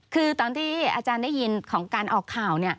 คือตอนที่อาจารย์ได้ยินของการออกข่าว